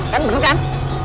kan bener kan